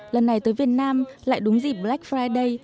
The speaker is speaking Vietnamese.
lần này tới việt nam lại đúng dịp black friday